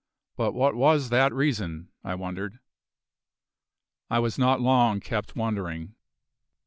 But what was that reason? I wondered. I was not long kept wondering.